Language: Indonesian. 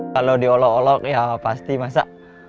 kalau diolok olok ya pasti masak